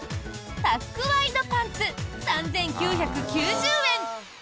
タックワイドパンツ３９９０円。